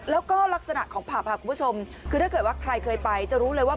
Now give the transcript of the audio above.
แล้วก็ลักษณะของผับค่ะคุณผู้ชมคือถ้าเกิดว่าใครเคยไปจะรู้เลยว่า